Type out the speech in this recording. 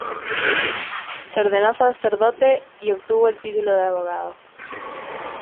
Se ordenó sacerdote y obtuvo el título de abogado.